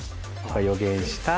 予言した。